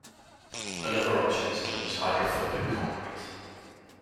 Another option is to use hydrophobic concrete.